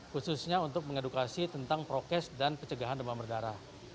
khususnya untuk mengedukasi tentang prokes dan pencegahan demam berdarah